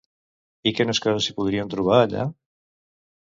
I quines coses s'hi podien trobar allà?